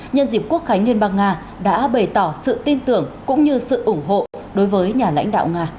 nhân dịp quốc khánh liên bang nga đã bày tỏ sự tin tưởng cũng như sự ủng hộ đối với nhà lãnh đạo nga